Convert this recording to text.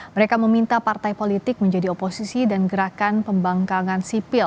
mereka meminta partai politik menjadi oposisi dan gerakan pembangkangan sipil